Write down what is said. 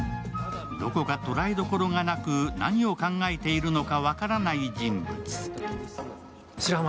どこか捉えどころがなく、何を考えているのか分からない人物。